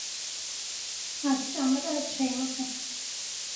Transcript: არც ჭამა და არც შეიმოსა